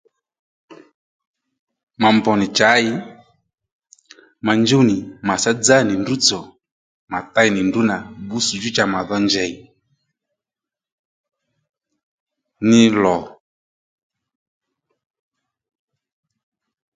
Ma mbr nì chǎy ma njúw nì màtsá dzá nì ndrǔ tsò mà tey nì ndrǔnà bbǔssdjú cha mà dho njèy ní lò